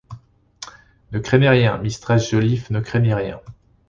Ne craignez rien, mistress Joliffe, ne craignez rien !